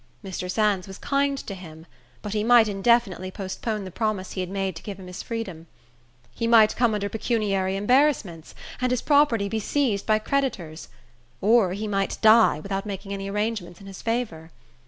Mr. Sands was kind to him; but he might indefinitely postpone the promise he had made to give him his freedom. He might come under pecuniary embarrassments, and his property be seized by creditors; or he might die, without making any arrangements in his favor.